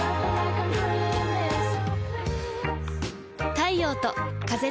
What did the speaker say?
太陽と風と